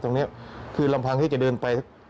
ตรงนี้คือลำพังที่จะเดินไป